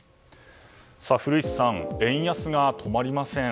古市さん、円安が止まりません。